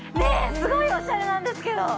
すごいおしゃれなんですけど！